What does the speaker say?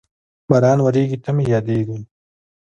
باران ورېږي، ته مې یادېږې